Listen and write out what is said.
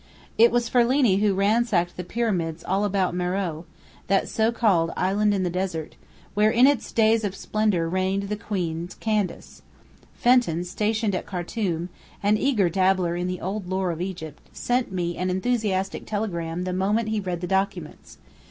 It was Ferlini who ransacked the pyramids all about Meroë, that so called island in the desert, where in its days of splendour reigned the queens Candace. Fenton, stationed at Khartum, an eager dabbler in the old lore of Egypt, sent me an enthusiastic telegram the moment he read the documents.